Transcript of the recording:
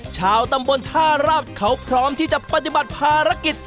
ชาวตำบลท่าราบเขาพร้อมที่จะปฏิบัติภารกิจ